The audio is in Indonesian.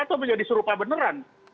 atau menjadi serupa beneran